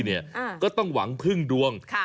ก็ต้องหวังพึ่งดวง